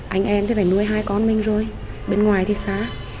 anh em thì phải nuôi hai con mình rồi bên ngoài thì xa